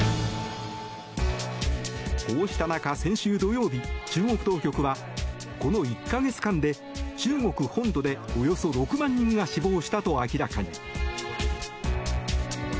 こうした中、先週土曜日中国当局はこの１か月間で中国本土でおよそ６万人が死亡したと明らかに。